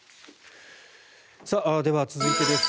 では、続いてです。